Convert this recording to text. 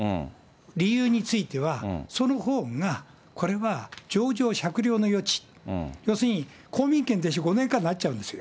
理由については、そのほうが、これは情状酌量の余地、要するに、公民権停止５年になっちゃうんですよ。